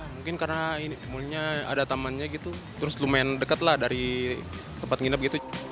mungkin karena ini ada tamannya gitu terus lumayan dekat lah dari tempat nginep gitu